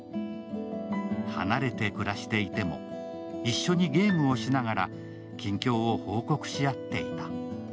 離れて暮らしていても、一緒にゲームをしながら近況を報告し合っていた。